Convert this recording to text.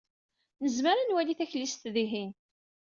Nezmer ad nwali taklizt dihin.